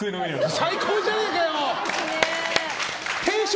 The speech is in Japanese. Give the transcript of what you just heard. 最高じゃねえかよ。